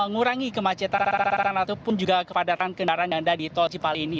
mengurangi kemacetan ataupun juga kepadatan kendaraan yang ada di tol cipali ini